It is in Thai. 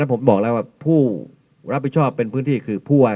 ก็แจ้งไปผู้ว่า